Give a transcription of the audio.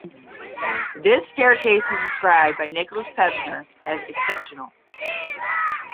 This staircase is described by Nikolaus Pevsner as "exceptional".